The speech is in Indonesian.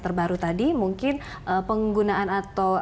terbaru tadi mungkin penggunaan atau